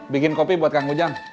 bikin kopi buat kang ujang